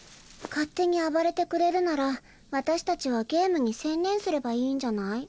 勝手に暴れてくれるなら私たちはゲームに専念すればいいんじゃない？